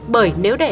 bởi nếu đầy đủ